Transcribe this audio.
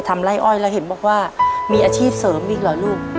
ไล่อ้อยแล้วเห็นบอกว่ามีอาชีพเสริมอีกเหรอลูก